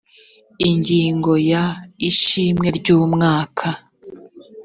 ingingo ya ishimwe ry umwaka